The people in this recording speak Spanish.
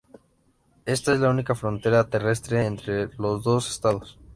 Esta es la única frontera terrestre entre los dos Estados.